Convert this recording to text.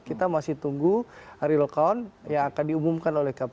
kita masih tunggu real count yang akan diumumkan oleh kpu